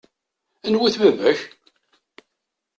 Anwa-t baba-k?